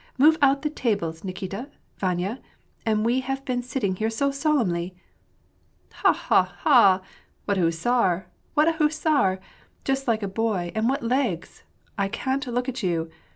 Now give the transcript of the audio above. Move out the tables, Nikita, Vanya. And we have been sitting here so solemnly." "Ha! ha! ha!" — "What'a hussar!" "What a hussar!" "Just like a boy, and what legs." —" I can't look at you!"